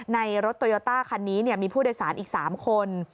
รถโตโยต้าคันนี้มีผู้โดยสารอีก๓คน